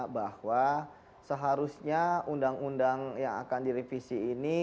bahwa seharusnya undang undang yang akan direvisi ini